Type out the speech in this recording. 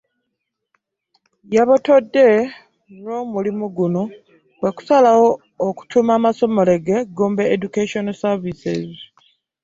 Yabotodde lw'omulimu guno kwe kusalawo okutuuma amasomero ge ‘Gombe Educational Services'